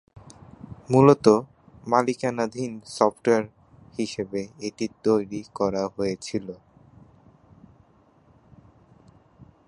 মূলত মালিকানাধীন সফটওয়্যার হিসাবে এটি তৈরি করা হয়েছিল।